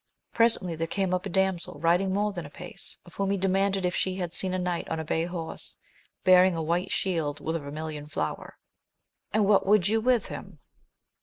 Presently there came up a damsel, riding more than apace, of whom he demanded if she had seen a knight on a bay horse, bearing a white shield with a vermilion flower. — And what would you with him